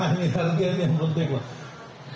wah ini harga yang penting pak